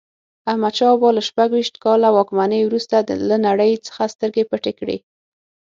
احمدشاه بابا له شپږویشت کاله واکمنۍ وروسته له نړۍ څخه سترګې پټې کړې.